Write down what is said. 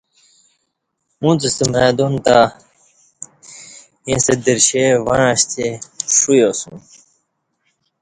اݩڅ ستہ میدان تہ ایݩستہ درشے وعݩشتی پݜویاسوم